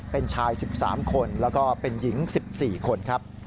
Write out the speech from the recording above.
เป็นชาย๑๓คนแล้วก็เป็นหญิง๑๔คนครับ